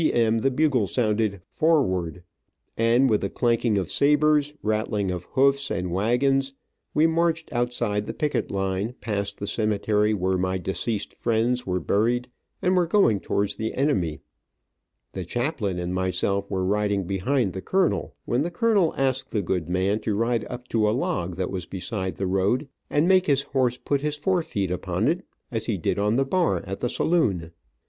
m. the bugle sounded "forward," and with the clanking of sabers, rattling of hoofs and wagons, we marched outside the picket line, past the cemetery where my deceased friends were buried, and were going towards the enemy. The chaplain and myself were riding behind the colonel, when the colonel asked the good man to ride up to a log that was beside the road, and make his horse put his forefeet upon it, as he did on the bar in the saloon.